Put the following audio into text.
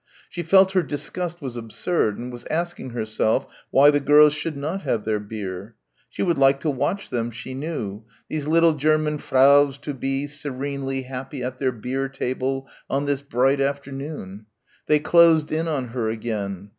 She felt her disgust was absurd and was asking herself why the girls should not have their beer. She would like to watch them, she knew; these little German Fraus to be serenely happy at their bier table on this bright afternoon. They closed in on her again.